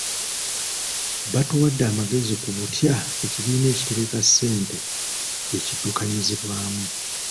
Baatuwadde amagezi ku butya ekibiina ekitereka ssente gye kiddukanyizibwamu.